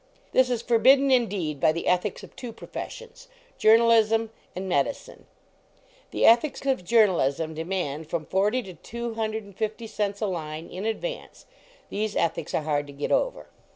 This is forbidden, indeed, by the ethics of two professions journalism and medicine. The ethics of journalism demand from 40 to 250 cents a line, in advance. These ethics are hard to get over.